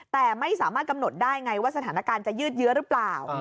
แต่ไม่สามารถกำหนดได้ไงว่าสถานการณ์จะยืดเยอะหรือเปล่า